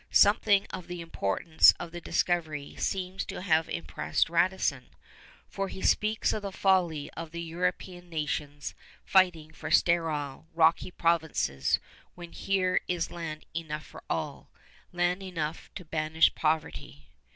Something of the importance of the discovery seems to have impressed Radisson; for he speaks of the folly of the European nations fighting for sterile, rocky provinces when here is land enough for all land enough to banish poverty.